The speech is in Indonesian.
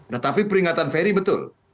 tetapi peringatan ferry betul